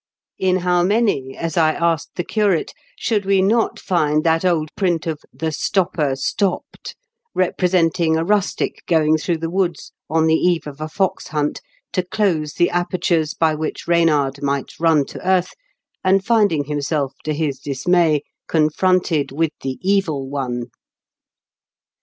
In how many, as I asked the curate, should we not find that old print of " The Stopper stopped," representing a rustic going through the woods, on the eve of a fox hunt, to close the apertures by which Eeynard might run to earth, and finding him self, to his dismay, confronted with the Evil One?